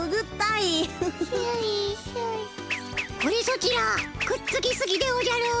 これソチらくっつきすぎでおじゃる。